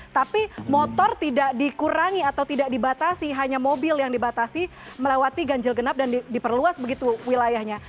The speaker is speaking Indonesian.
tapi motor tidak dikurangi atau tidak dibatasi hanya mobil yang dibatasi melewati ganjil genap dan diperluas begitu wilayahnya